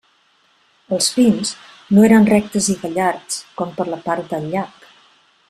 Els pins no eren rectes i gallards, com per la part del llac.